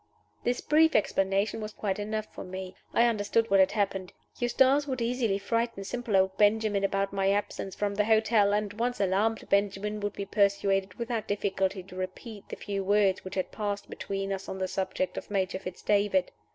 This brief explanation was quite enough for me I understood what had happened. Eustace would easily frighten simple old Benjamin about my absence from the hotel; and, once alarmed, Benjamin would be persuaded without difficulty to repeat the few words which had passed between us on the subject of Major Fitz David.